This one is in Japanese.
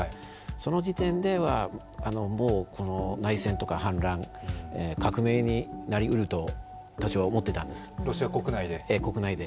その時点では内戦とか反乱革命になりうると私は思ってたんです、国内で。